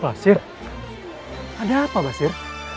basir ada apa basir